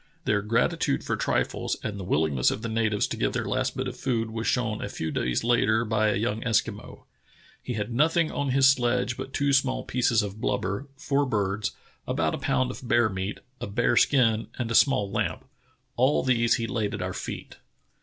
Their gratitude for trifles and the will ingness of the natives to give their last bit of food was The Angekok Kalutunah 129 shown a few days later by a young Eskimo. "lie had nothing on his sledge but two small pieces of blubber, four birds, about a pound of bear meat, a bear skin, and a small lamp. All these he laid at our feet."